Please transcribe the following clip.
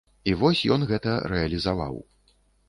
І вось ён гэта рэалізаваў.